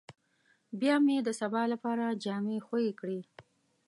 بيا مې د سبا لپاره جامې خويې کړې.